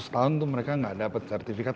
seratus tahun tuh mereka nggak dapat sertifikat